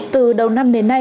từ đầu năm đến nay